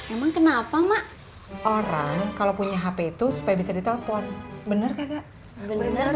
emang kenapa mak orang kalau punya hp itu supaya bisa ditelepon bener kak bener bener